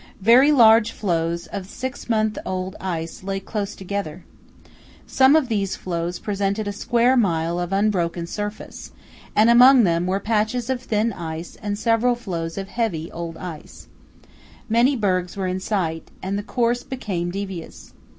Very large floes of six months old ice lay close together. Some of these floes presented a square mile of unbroken surface, and among them were patches of thin ice and several floes of heavy old ice. Many bergs were in sight, and the course became devious.